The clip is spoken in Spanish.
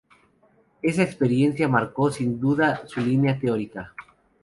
Esa experiencia marcó sin duda su línea teórica.